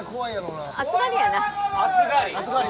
暑がりやな。